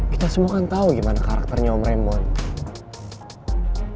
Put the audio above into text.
kita semua kan tau gimana karakternya om raymond